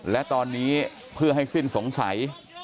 และตอนนี้เพื่อให้สิ้นสงสัย